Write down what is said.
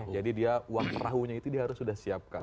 jadi dia uang perahunya itu dia harus sudah siapkan